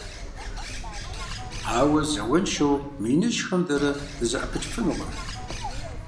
Ауэ, зауэншэу мы иныжьхэм дэрэ дызэӀэпыкӀыфынукъым.